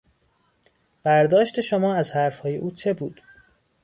برداشت شما از حرفهای او چه بود؟